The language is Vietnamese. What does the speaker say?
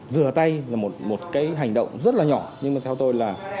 rửa tay là một cái hành động rất là nhỏ nhưng mà theo tôi là